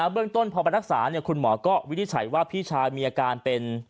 เรื่องต้นพอไปรักษาคุณหมอก็วินิจฉัยว่าพี่ชายมีอาการเป็น